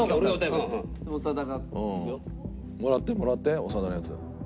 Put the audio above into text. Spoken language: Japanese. もらってもらって長田のやつ。